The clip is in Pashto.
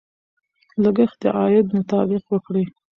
لګښت د عاید مطابق وکړئ.